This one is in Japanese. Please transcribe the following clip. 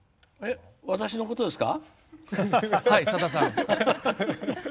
私のことですか？